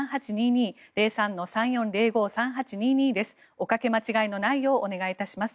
おかけ間違いのないようお願いいたします。